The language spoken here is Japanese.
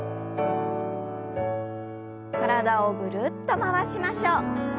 体をぐるっと回しましょう。